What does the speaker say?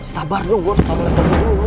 sabar dong gue harus taruh lepas dulu